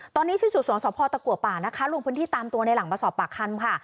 ตอนนี้ชื่อสู่สวนสพตะกัวป่านะคะลงพื้นที่ตามตัวในหลังมาสอบปากคำค่ะ